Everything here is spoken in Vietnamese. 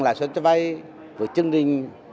lãi suất cho vay của chương trình